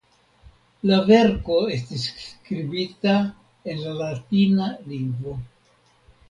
La verko estis skribita en la latina lingvo.